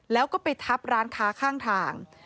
แล้วก็ไปทับร้านค้าข้างทาง